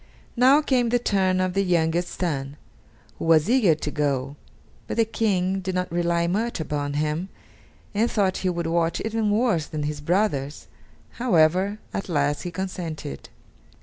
Now came the turn of the youngest son, who was eager to go; but the King did not rely much upon him, and thought he would watch even worse than his brothers; however, at last he consented.